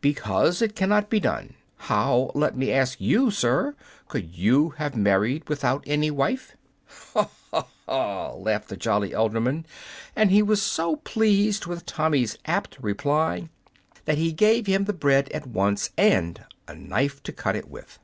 "Because it cannot be done. How, let me ask you, sir, could you have married without any wife?" "Ha, ha, ha!" laughed the jolly alderman; and he was so pleased with Tommy's apt reply that he gave him the bread at once, and a knife to cut it with.